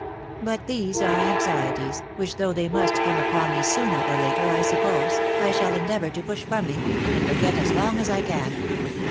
But these are anxieties, which though they must come upon me sooner or later, I suppose, I shall endeavour to push from me, and forget as long as I can.